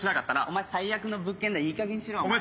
お前最悪の物件だよいいかげんにしろお前。